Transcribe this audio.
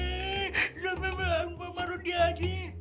udah mabek mabek sama rudy ani